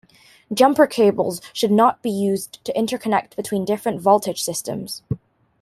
Jumper cables should not be used to interconnect between different voltage systems.